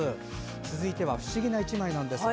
続いては不思議な１枚なんです。